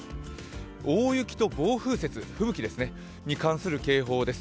大雪と暴風雪に関する警報です。